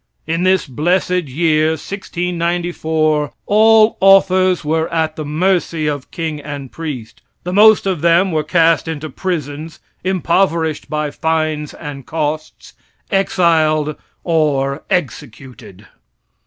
In this blessed year 1694 all authors were at the mercy of king and priest. The most of them were cast into prisons, impoverished by fines and costs, exiled or executed.